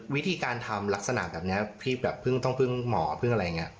วิธีการทำลักษณะแบบพี่แบบต้องเพิ่มหมอเพิ่งอะไรอย่างนี้